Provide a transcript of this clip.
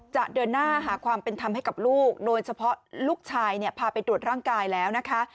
จะเดินหน้าหาความเป็นธรรมให้กับลูกโดยเฉพาะลูกชายเนี่ยพาไปตรวจร่างกายแล้วนะคะ